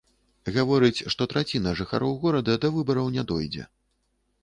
Гаворыць, што траціна жыхароў горада да выбараў не дойдзе.